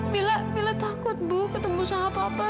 mila mila takut bu ketemu sahabat papa